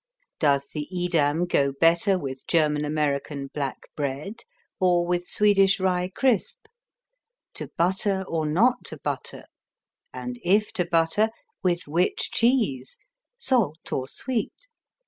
Does the Edam go better with German American black bread or with Swedish Ry Krisp? To butter or not to butter? And if to butter, with which cheese? Salt or sweet?